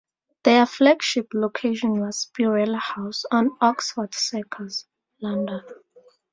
Their flagship location was "Spirella House" on Oxford Circus, London.